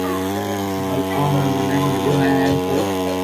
مارو ڪوم ھي مني مليو ھي ھين ڪرو